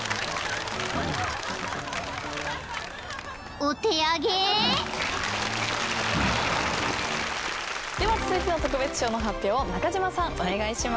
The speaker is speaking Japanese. ［お手上げ］では続いての特別賞の発表を中島さんお願いします。